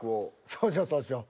そうしようそうしよう。